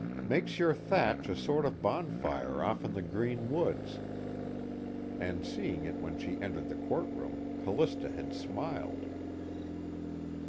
Makes your thatch a sort of bonfire off in the green woods." And seeing it when she entered the courtroom, Callista had smiled.